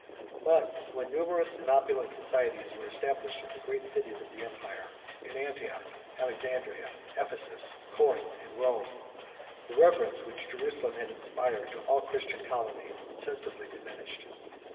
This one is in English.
But when numerous and opulent societies were established in the great cities of the empire, in Antioch, Alexandria, Ephesus, Corinth, and Rome, the reverence which Jerusalem had inspired to all the Christian colonies insensibly diminished.